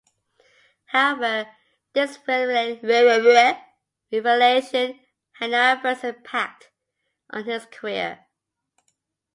However, this revelation had no adverse impact on his career.